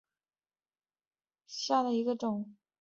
中华水龙骨为水龙骨科水龙骨属下的一个种。